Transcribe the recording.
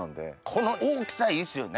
この大きさいいっすよね。